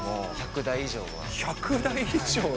１００台以上？